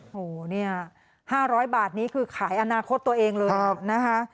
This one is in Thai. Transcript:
โหเนี่ย๕๐๐บาทนี้คือขายอนาคตตัวเองเลยนะคะ